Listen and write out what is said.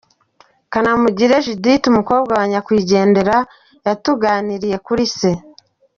Kanamugire Dédithe, Umukobwa wa Nyakwigendera yatuganirije kuri se.